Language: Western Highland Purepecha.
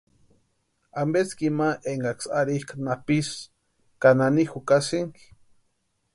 ¿Ampeski ima énkaksï arhikʼa napisï ka nani jukasïnki?